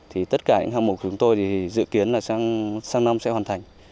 thì tất cả những hạng mục của chúng tôi thì dự kiến là sang năm sẽ hoàn thành